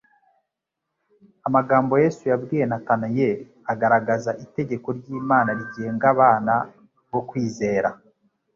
Amagambo Yesu yabwiye Natanayeli agaragaza itegeko ry’Imana rigenga abana bo kwizera.